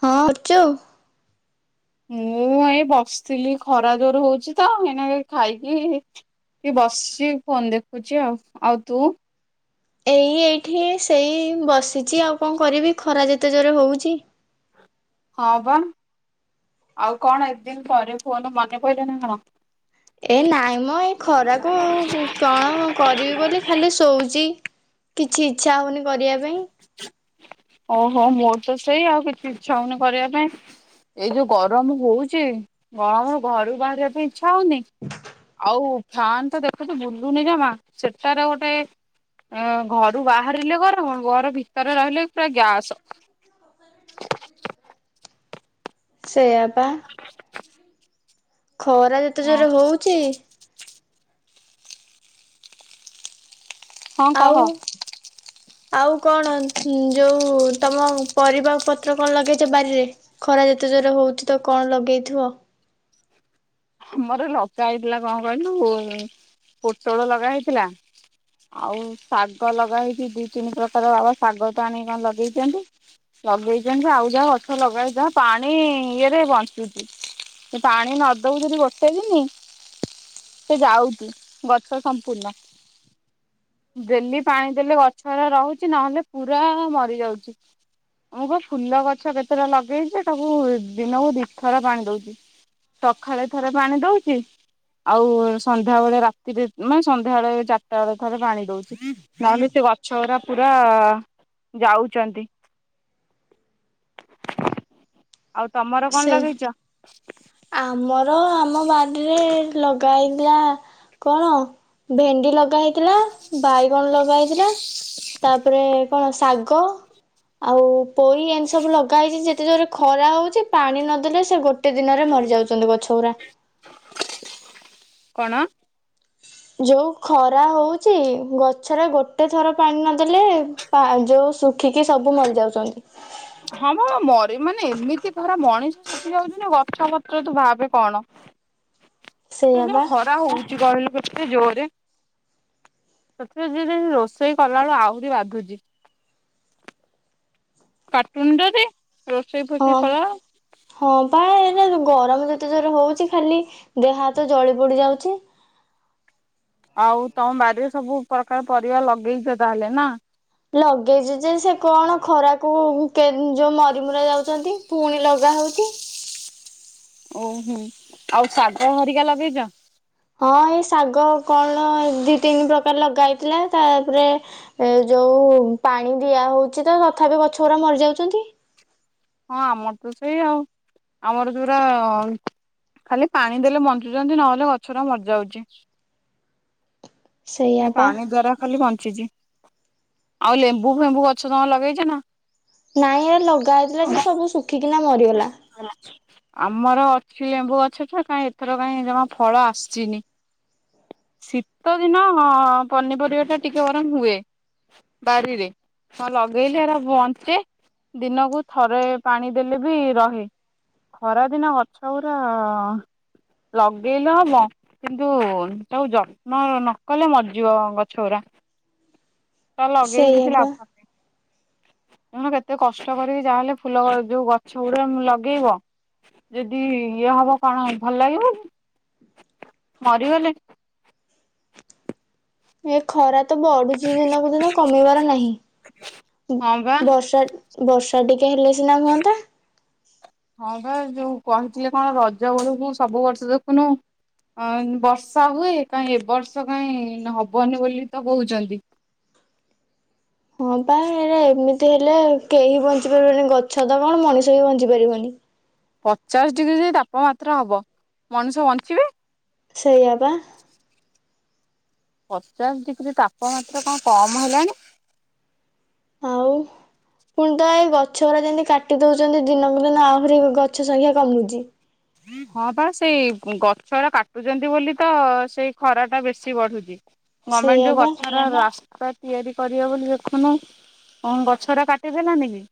ହଁ ଣ କରଛୁ। ମୁଁ ଏଇ ବସିଥିଲି ଖରା ଜୋର ହଉଛି ତ ଏନାକେ ଖାଇକି ବସିଛି ଫୋନ ଦେଖୁଛି ଆଉ ଆଉ ତୁ। ଏଇ ଏଇଠି ସେଇ ବସିଛି ଆଉ କଣ କରିବି ଖରା ଯେତେ ଜୋରରେ ହଉଛି। ହଁ ଵା। ଆଉ କଣ ଏତେ ଦିନ ପରେ ଫନ ମନେପଡିଲା ନା କଣ। ଏ ନାଇଁ ମ ଏଇ ଖରାକୁ କଣ କରିବି ବୋଲି ଖାଲି ଶଉଛି। କିଛି ଇଚ୍ଛା ହଉନି। କରିବା ପାଇଁ। ଓହୋ ମୋର ତ ସେଇ ଆଉ କିଛି ଇଚ୍ଛା ହଉନି କରିବା ପାଇଁ ଏଇ ଯୋଉ ଗରମ ହଉଛି କଣ ଘରୁ ବାହାରିବା ପାଇଁ ଇଚ୍ଛା ହଉନି ଆଉ ଫ୍ୟାନ ତ ଦେଖୁଛୁ ବୁଲୁନି ଜମା ସେଟାରେ ଗୋଟେ ଘରୁ ବାହାରିଲେ ଗରମ ଘର ଭିତରେ ରହିଲେ ସେ ଗ୍ୟାସ। ସେଇଆ। ବା। ଖରା ଯେତେ ହଁ ଜୋରେ ହଉଛି। ହଁ କହ ଆଉ ଆଉ କଣ ଯୋଉ ତମ ପରିବା ପତ୍ର କଣ ଲଗେଇଛ ବାରିରେ ଖରା ଯେତେ ଜୋର ହଉଛି ତ କଣ ଲଗେଇଥିବ। ଆମର ଲଗା ହେଇଥିଲା କଣ କହିଲୁ ପୋଟଳ ଲଗା ହେଇଥିଲା ଆଉ ଶାଗ ଲଗା ହେେଇଛି ଦିଇ ତିନି ପ୍ରକାର ବାବା ଶାଗ ଟ ଆଣି କଣ ଲଗେଇଛନ୍ତି ଲଗେଇଛନ୍ତି ଆଉ ଯାହା ଗଛ ଲଗା ହେେଇଛି ଯାହା ପାଣି ଇଏରେ ବଞ୍ଚୁଛି ପାଣି ନ ଦଉ ଗୋଟେ ଦିନ ସେ ଯାଉଛି ଗଛ ସମ୍ପୂର୍ଣ୍ଣ ଡେଲି ପାଣି ଦେଲେ ଗଛ ରହୁଛି ନହେଲେ ପୁରା ମରିଯାଉଛି ମୁଁ ପା ଫୁଲ ଗଛ କେତେଟା ଲଗେଇଛ ତାକୁ ଦିନକୁ ଦୁଇଥର ପାଣି ଦଉଛି। ସକାଳେ ଥରେ ପାଣି ଦଉଛି ଆଉ ସନ୍ଧ୍ୟା ବେଳେ ରାତିରେ ମାନେ ସନ୍ଧ୍ୟାବେଳେ ଚାରିଟା ବେଳେ ଥରେ ପାଣି ଦଉଛି ନହେଲେ ସେ ଗଛ ଗୁଡା ପୁରା ଯାଉଛନ୍ତି। ଆଉ। ତମର କଣ ଲଗେଇଛ? ଆର ଆମ ବାଡ଼ିରେ ଲଗା ହେଇଥିଲା କଣ ଭେଣ୍ଡି ଲଗା ହେଇଥିଲା ବାଇଗଣ ଲଗା ହେଇଥିଲା ତାପରେ କଣ ଶାଗ ଆଉ ପୋଇ ଏମିତି ସବୁ ଲଗା ହେଇଛି ଯେତେ ଜୋରେ ଖରା ହଉଛି ପାଣି ନଦେଲେ ସେ ଗୋଟେ ଦିନ ଦିନରେ ମରି ଯାଉଛନ୍ତି ଗଛ ଗୁରା। କଣ? ଯୋଉ ଖରା ହଉଛି ଗଛରେ ଗୋଟେ ଥର ପାଣି ନଦେଲେ ଯୋଉ ଶୁଖିକି ସବୁ ମରିଯାଉଛନ୍ତି। ହଁ ମରି ମାନେ ଏମିତି ଖରା ମଣିଷ ଶୁଖିଯାଉଛି ନା ଗଛପତ୍ର ତୁ ଭାବେ କଣ। ସେଇଆ ବା ଖରା ହଉଚି କହିଲୁ? ଗୋଟେ ଜୋରେ ସେଥି ଯ ରୋଷେଇ କଲାବେଳୁ ଆହୁରି ବାଧୁଛି କାଟୁନି ତତେ? ହଁ ହଁ ପା ଏ ଗରମ ଯେତେ ଜୋର ହଉଛି ଖାଲି ଦେହ ହାତ ଜଳି ପଡି ଯାଉଛି। ଆଉ ତମ ବାରିରେ ସବୁ ପ୍ରକାର ପରିବା ଲଗେଇଛ ତାହେଲେ ନା? ଲଗେଇଛି ଯେ ସେ କଣ ଖରାକୁ ଯୋଉ ମରିମରା ଯାଉଛନ୍ତି ପୁଣି ଲଗା ହଉଛି। ଓହୋ ଆଉ ଶାଗ ହରିକା ଲଗେଇଛ? ହଁ ଏଇ ଶାଗ କଣ ଦି ତିନି ପ୍ରକାର ଲଗା ହେଇଥିଲା ତାପରେ ଏ ଯୋଉ ପାଣି ଦିଆ ହଉଛି ତ ତଥାପି ଗଛ ଗୁଡା ମରିଯାଉଛନ୍ତି। ହଁ ଆମର ତ ସେଇ ଆଉ ଆମର ପୁରା ଖାଲି ପାଣି ଦେଲେ ବଞ୍ଚୁଛନ୍ତି ନହେଲେ ଗଛ ଟା ମରିଯାଉଛି। ସେଇଆ ସେ ପା ପାଣି ଦ୍ୱାରା ଖାଲି ବଞ୍ଚ ନଚିଚି ଆଉ ଲେମ୍ବୁ ଫେମ୍ବୁ ଗଛ ତମ ଲଗେଇଛ ନା? ନାଇଁ ଆ ଲଗା ଯେ ସବୁ ଶୁଖିକିନା ମରିଗଲା। ଆମର ଅଛି ଲେମ୍ବୁ ଗଛ ଟା କାହିଁ ଏଥର କାହିଁ ଜମା ଫଳ ଆସିନି ଶୀତ ଦିନ ପନିପରିବା ଟା ଟିକେ ଗରମ ହୁଏ ବାରିରେ ହ ଲଗେଇଲେ ଏ ବଞ୍ଚେ ଦିନକୁ। ଥରେ ପାଣି ଦେଲେ ବି ରହେ ଖରାଦିନ ଗଛ ଗୁଡା ଲଗେଇଲେ ହବ କିନ୍ତୁ ତାକୁ ଯତ୍ନ ନକଲେ ମରିଯିବ ଗଛ ଗୁଡା। ତା ଲଗେଇି ସେଇଆ କିଛି ପା ଲାଭେ ତମର କେତେ କଷ୍ଟ କରିକି ଯାହାହେଲେ ଫୁଲ ଯୋଉ ଗଛ ଗୁଡା ଲଗେଇବ ଯଦି ଇଏ ହବ କଣ ଭଲ ଲାଗିବ ମରିଗଲେ। ଏକ ଖରା ତ ବଢୁଛି ଦିନକୁ ଦିନ କମିବାର ନାହିଁ ହଁ ବା ବର୍ଷା ବର୍ଷା ତା କେ ହେଲେ ସିନା ହୁଅନ୍ତା। ହଁ ବା ଯୋଉ କହିଥିଲେ କଣ ରଜ ବେଳୁକୁ ସବୁ ବର୍ଷ ଦେଖୁନୁ ବର୍ଷା ହୁଏ କାହିଁ ଏ ବର୍ଷ କାହିଁ ହବନି ବୋଲି ତ କହୁଛନ୍ତି। ହଁ ପା ଏ ଏମିତି ହେଲେ କେହି ବଞ୍ଚି ପାରିବନି ଗଛ ତ କଣ ମଣିଷ ବିି ବଞ୍ଚି ପାରିବନି। ପଚାଶ ଡିଗ୍ରୀ ଯଦି ତାପମାତ୍ରା ହବ ମଣିଷ ବଞ୍ଚିବେ। ସେଇଆ ବା। ପଚାଶ ଡିଗ୍ରୀ ତାପମାତ୍ରା କଣ କମ ହେଲାଣି। ଆଉ ପୁଣି ତ ଏଇ ଗଛ ଗୁରା ଯେମିତି କାଟି ଦଉଛନ୍ତି ଦିନକୁ ଦିନ ଆହୁରି ଗଛ ସଂଖ୍ୟା କମୁଛି। ହଁ ପା ସେଇ ଗଛରା କାଟୁଛନ୍ତି ବୋଲି ତ ସେଇ ଖରା ଟା ବେଶୀ ବଢୁଛି। ଗମେଣ୍ଟ ସେଇଆ ଯଉ ବା ଗଛରା ରା ରାସ୍ତା ତିଆରି କରିବେ ବୋଲି ଦେଖୁନୁ କଣ ଗଛ ରା କାଟିଦେଲାନି କି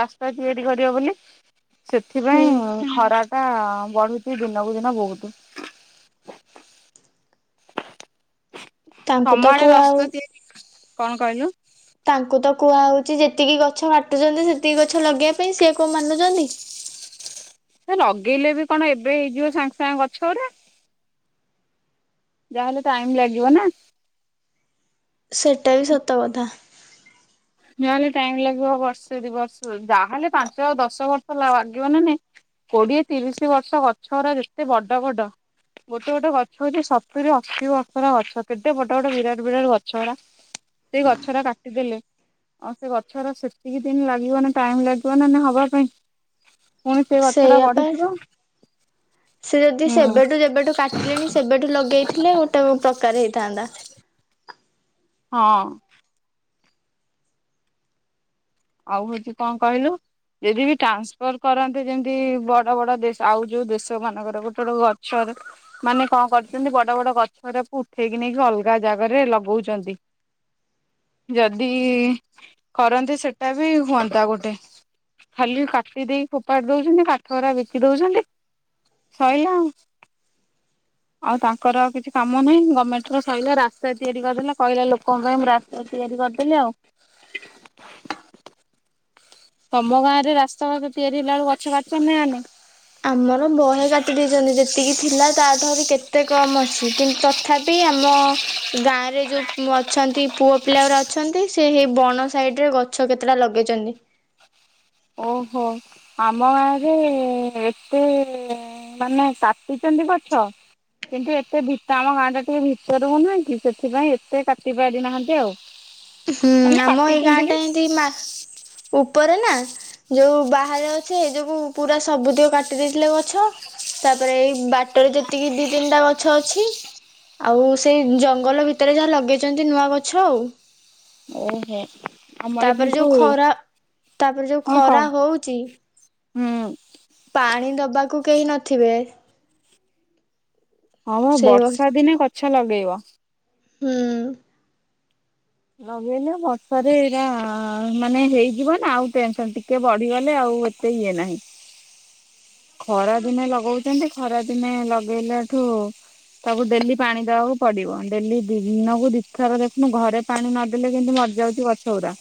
ରାସ୍ତା ତିଆରି କରବେ ବୋଲି। ହୁଁ ସେଥିପାଇଁ ଖରା। ଆ ବଢୁଛି ଦିନକୁ ଦିନ ବହୁତ। ତାଙ୍କୁ ତ ତମଆଡ଼େ କୁହାହଉ ରାସ୍ତା ତିଆରି କଣ କହିଲୁ? ତାଙ୍କୁ ତ କୁହାହଉଛି ଯେତିକି ଗଛ କା କାଟୁଛନ୍ତି ସେତିକି ଗଛ ଲଗେଇବା ପାଇଁ ସେ କୋଉ ମାନୁଛନ୍ତି। ସେ ଲଗେଇଲେ ବି କଣ ଏବେ ହେଇଯିବ ସାଙ୍ଗେ ସାଙ୍ଗେ ଗଛ ଗୁରା। ଯାହା ହେଲେ ଟାଇମ ଲାଗିବ ନା। ସେଟା ବି ସତ କଥା। ଯାହେଲେ ଟାଇମ ଲାଗିବ ବର୍ଷେ ଦି ବର୍ଷ ଯାହାହେଲେ ପାଞ୍ଚ ଦଶ ବର୍ଷ ଲାଗିବନା ନାହିଁ କୋଡିଏ ତିରିଶ ବର୍ଷ ଗଛ ଗୁଡା ଯେତେ ବଡ ବଡ ଗୋଟେ ଗୋଟେ ଗଛ ହଉଛି ସତୁରି ଅଶୀ ବର୍ଷର ଗଛ କେତେ ବଡ ବଡ ବିରାଟ ବିରାଟ ଗଛ ଗୁଡା ସେ ଗଛ ଗୁଡ଼ା କାଟିଦେଲେ। ଆଉ ସେ ଗଛରା ସେତିକି ଦିନ ଲାଗିବ ନା ଟାଇମ ଲାଗିବ ନା ନା ହବା ପାଇଁ। ପୁଣି ସେ ଗଛଟା ସେଇଆପା ବଢିଥିବ ସେ ଯଦି ହୁଁ ସେବେଠୁ ଯେବେଠୁ କାଟିଲେଣି ସେବେଠୁ ଲଗେଇଥିଲେ ଗୋଟେ ପ୍ରକାର ହେଇଥାନ୍ତା। ହଁ। ଆଉ ହଉଛି କଣ କହିଲୁ ଯଦି ବି ଟ୍ରାନ୍ସଫର କରନ୍ତେ ଯେମିତି ବଡ ବଡ ଦେଶ ଆଉ ଯୋଉ ଦେଶ ମାନଙ୍କର ଗୋଟେ ଗୋଟେ ଗଛରେ ମାନେ କଣ କରିଛନ୍ତି ବଡ ବଡ ଗଛଟା ଉଠେଇକି ନେଇକି ଅଲଗା ଜାଗାରେ ଲଗଉଛନ୍ତି ଯଦି କରନ୍ତେ ସେ ସେଟା ବି ହୁଅନ୍ତା ଗୋଟେ ଖାଲି କାଟି ଦେଇକି ଫୋପାଡି ଦଉଛନ୍ତି କାଠରା ବିକି ଦଉଛନ୍ତି ସଇଲା ଆଉ ଆଉ ତାଙ୍କର ଆଉ କିଛି କାମ ନାହିଁ ଗଭର୍ଣମେଣ୍ଟ ର ସଇଲା ରାସ୍ତା ତିଆରି କରିଦେଲା କହିଲା ଲୋକଙ୍କ ପାଇଁ ମୁଁ ରାସ୍ତା ତିଆରି କରିଦେଲି ଆଉ। ତମ ଗାଁ ରେ ରାସ୍ତାଘାଟ ତିଆରି ହେଲା ବେଳକୁ ଗଛ କାଟିଛନ୍ତି ନା ନାଇଁ। ଆମର ବହେ କାଟି ଦେଇେଇଛନ୍ତି ଯେତିକି ଥିଲା ତାଠୁ ଆହୁରି କେ ଏତେ କମ ଅଛି କିନ୍ତୁ ତଥାପି ଆମ ଗାଁ ରେ ଯୋଉ ଅଛନ୍ତି ପୁଅ ପିଲା ଗୁରା ଅଛନ୍ତି ସେ ହେଇ ବଣ ସାଇଡ ରେ ଗଛ କେତେଟା ଲଗେଇଛନ୍ତି। ଓହୋ ଆମ ଗାଁରେ ଏତେ ମାନେ କାଟିଛନ୍ତି ଗଛ କିନ୍ତୁ ଏତେ ଭିତ ଆମ ଗାଁ ଟା ଟିକେ ଭିତରକୁ ନୁହେଁ କି ସେଥିପାଇଁ ଏତେ କାଟି ପାରିନାହାନ୍ତି ଆଉ। ହୁଁ ମାନେ ଆମ ଏଇ ଗାଁ କାଟିଛନ୍ତି ବି ଟା ଏମତି ମା ଉପରେ ନା। ଯୋଉ ବାହାରେ ଅଛି ଏ ଯୋଗୁ ପୁରା ସବୁତକ କାଟି ଦେଇଥିଲେ ଗଛ ତାପରେ ଏଇ ବାଟରେ ଯେତିକି ଦି ତିନିଟା ଗଛ ଅ ଛି ଆଉ ସେଇ ଜଙ୍ଗଲ ଭିତରେ ଯାହା ଲଗେଇଛନ୍ତି ନୂଆ ଗଛ ଆଉ। ଓହୋ ଆମର ତାପରେ ଯୋଉ କିନ୍ତୁ ଖରା ତାପରେ ଯୋଉ ହଁ କହ ଖରା ହଉଛି। ହୁଁ। ପାଣି ଦବା। କୁ କେହି ନଥିବେ। ହଁ ସେଇ ବର୍ଷା ଦିନେ କ ଗଛ ଲଗେଇବ। ହୁଁ। ଲଗେଇଲେ ବର୍ଷାରେ ଏଇରା ମାନେ ହେଇଯିବ ନା ଆଉ ଟେନସନ ଟିକେ ବଢିଗଲେ ଆଉ ଏତେ ଇଏ ନାହିଁ। ଖରା ଦିନେ ଲଗଉଛନ୍ତି ଖରା ଦିନେ ଲଗେଇଲା ଠୁ ତାକୁ ଡେଲି ପାଣି ଦବାକୁ ପଡିବ ଡେଲି ଦିନକୁ ଦିଥର ଦେଖୁନୁ ଘରେ ପାଣି ନଦେଲେ କିନ୍ତୁ ମରିଯାଉଛି ଗଛ ଗୁରା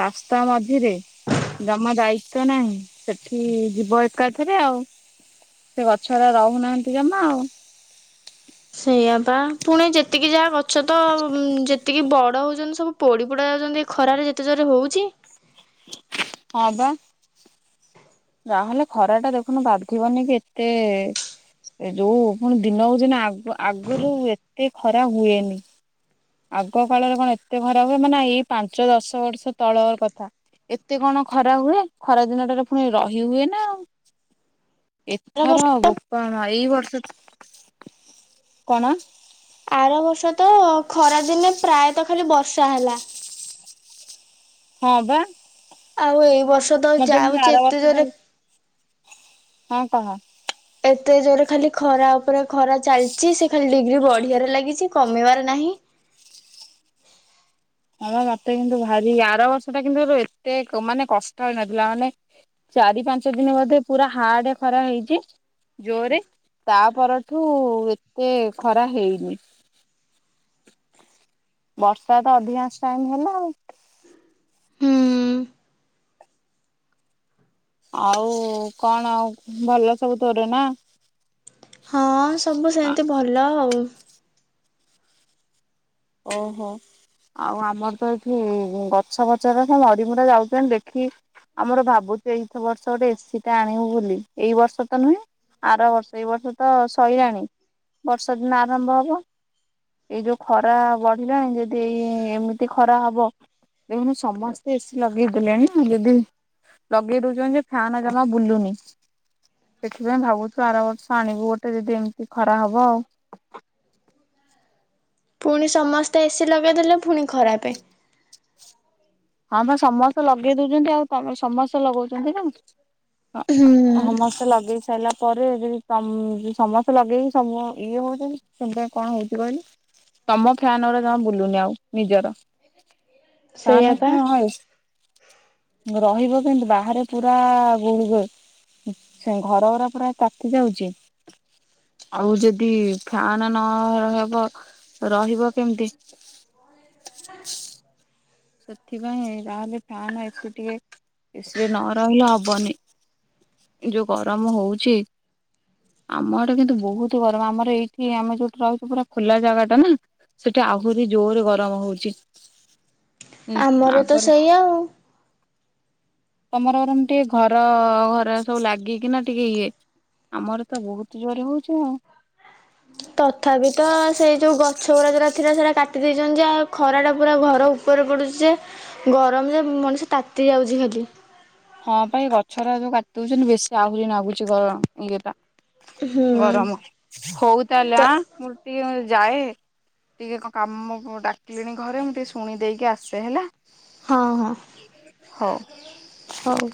ରାସ୍ତା ମଝିରେ ଜମା ଦାଇତ୍ୱ ନାହିଁ ସେଠି ଯିବ। ଥରେ ଆଉ ସେ ଗଛଡା ରହୁନାହାନ୍ତି ଜମା ଆଉ। ସେଇଆ ପା ପୁଣି ଯେତିକି ଯାହା ଗଛ ତ ଯେତିକି ବଡ ହଉଛନ୍ତି ସବୁ ପୋଡି ପୋଡା ଯାଉଛନ୍ତି ଏ ଖରାରେ ଯେତେ ଜୋରେ ହଉଛି। ହଁ ବା। ତାହେଲେ ଖରା ଟା ଦେଖୁନୁ ବାଧିବନି କି ଏତେ ଯୋଉ ପୁଣି ଦିନକୁ ଦିନ ଆଗ ଆଗରୁ ଏତେ ଖରା ହୁଏନି। ଆଗ କାଳରେ କଣ ଏତେ ଖରା ହୁଏ ମାନେ ଏଇ ପାଞ୍ଚ ଦଶ ବର୍ଷ ତଳର କଥା ଏତେ କଣ ଖରା ହୁଏ ଖରା ଦିନଟାରେ ପୁଣି ରହି ହୁଏ ନା ଆଉ। ଆର ବର୍ଷ ଏଥର ବୋପା ମା ଏଇ ବର୍ଷ ତ କଣ? ଆର ବର୍ଷ ତ ଖରାଦିନେ ପ୍ରାୟତଃ ଖାଲି ବର୍ଷା ହେଲା। ହଁ ବା। ଆଉ ଏଇ ବର୍ ଔଷଧ ମତେ କିନ୍ତୁ ଯାଉଛି ଆର ଏତେ ବର୍ଷ ଟା ଜୋରେ ହଁ କହ। ଏତେ ଜୋରେ ଖାଲି ଖରା ଉପରେ ଖରା ଚାଲିଛି ସେ ଖାଲି ଡିଗ୍ରୀ ବଢିବାରେ ଲାଗିଛି କମିବାର ନାହିଁ। ହଁ ପା ମତେ କିନ୍ତୁ ଭାରି ଆର ବର୍ଷଟା କିନ୍ତୁ ଏତେ ମାନେ କଷ୍ଟ ହେଇନଥିଲା ମାନେ ଚାରି ପାଞ୍ଚ ଦିନ ବୋଧେ ପୁରା ହାଡ୍ ଖରା ହେଇଛି ଜୋରେ ତା ପରଠୁ ଏତେ ଖରା ହେଇନି ବର୍ଷା ତ ଅଧିକାଂ ଟାଇମ୍ ହେଲା ଆଉ ଆଉ କଅଣ ଆଉ ଭଲ ସବୁ ତୋର ନା? ହଁଅଅ ସବୁ ସେମିତି ଭଲ ଆଉ ଓହୋଃ ଆଉ ଆମର ତ ଏଠି ଗଛବଛ ତ ମରିମୁରା ଯାଉଛନ୍ତି ଦେଖି ଆମର ଭାବୁଛୁ ଏଇଥ ବର୍ଷ ଗୋଟେ ଏସିଟା ଆଣିବୁ ବୋଲି ଏଇ ବର୍ଷ ତ ନୁହେଁ ଆର ବର୍ଷ ଏଇ ବର୍ଷ ତ ସଇଲାଣି ବର୍ଷା ଦିନ ଆରମ୍ଭ ହବ ଏଇ ଯୋଉ ଖର୍ ଖରା ବଢିଲାଣି ଯଦି ଏଇ ଏମିତି ଖରା ହବ ଦେଖୁନୁ ସମସ୍ତେ ଏସିି ଲଗେଇ ଦେଲେଣି ଯଦି ଲଗେଇ ଦଉଛନ୍ତି ଯେ ଫ୍ୟାନ ଜମା ବୁଲୁନି ସେଥିପାଇଁ ଭାବୁଛୁ ଆର ବର୍ଷ ଆଣିବୁ ଗୋଟେ ଯଦି ଏମିତି ଖରା ହବ ଆଉ ପୁଣି ସମସ୍ତେ ଏସି ଲଗେଇ ଦେଲେ ପୁଣି ଖରାପେ ହଁ ବା ସମସ୍ତେ ଲଗେଇ ଦେଉଛନ୍ତି ଆଉ ତମେ ସମସ୍ତେ ଲଗଉଛନ୍ତି ନା ହୁଁ ହଁ ହଁଅ ମ ଲଗେଇ ସାରିଲା ପରେ ଯଦି ତମ୍ ସମସ୍ତେ ଲଗେଇକି ସବୁ ଇଏ ହଉଛନ୍ତି ସେଥିପାଇଁ କଣ ହଉଛି କହିଲୁ ତମ ଫ୍ୟାନଗୁରା ଜମା ବୁଲୁନି ଆଉ ନିଜର ଫ୍ୟାନ ସେଇଆପା ହଁ [unintelligible] ରହିବ କେମତି ବାହାରେ ପୁରାଆଆ ଗୁଳୁଗୁଳ୍ ସେ ଘରଗୁରା ପୁରା ତାତି ଯାଉଛି ଆଉ ଯଦି ଫ୍ୟାନ୍ ନହେବ ରହିବ କେମିତି? ସେଥିପାଇଁ ତାହେଲେ ଫ୍ୟାନ୍ ଏସି ଟିକେ ଏସିରେ ନ ରହିଲେ ହବନି, ଯୋଉ ଗରମ ହଉଛି ଆମ ଆଡେ କିନ୍ତୁ ବହୁତ ଗରମ ଆମର ଏଇଠି ଆମେ ଯୋଉଠି ରହୁଛୁ ପୁରା ଖୋଲା ଜାଗାଟା ନା ସେଠି ଆହୁରି ଜୋରରେ ଗରମ ହଉଛି। ଆମର ତ ଆଗରେ ସେଇଆ ଆଉ ତମର ବରଂ ଟିକେ ଘର ଘର ସବୁ ଲାଗିକିନା ଟିକେ ଇଏ, ଆମର ତ ବହୁତ ଜୋର ହଉଛି ଆଉ ତଥାପି ତ ସେଇ ଯୋଉ ଗଛଗୁୁରା ଯୋଉଗୁରା ଥିଲା ସେଗୁଡା କାଟି ଦେଇ [unintelligible] ଖରାଟା ପୁରା ଘର ଉପରେ ପଡୁଛି ଯେ ଗରମ ଯେ ମଣିଷ ତାତି ଯାଉଛି ଖାଲି। ହଁ ପା ଏ ଗଛଗୁରା ଯୋଉ କାଟି ଦଉଛନ୍ତି ବେଶୀ ଆହୁରି ନାଗୁଛି ଗରମ ଇଏଟା ହୁଁ ଗରମ, ହଉ ତାହେଲେ ତ ଆଁ ମୁଁ ଟିକେ ଯାଏ ଟିକେ କଣ କାମ ଡାକିଲେଣି ଘରେ ମୁଁ ଟିକେ ଶୁଣି ଦେଇକି ଆସୁଛି ହେଲା ହଁ ହଁ। ହଉ। ହଉ।